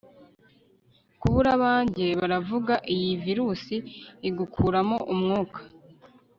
kubura abanjye-baravuga iyi virusi igukuramo umwuka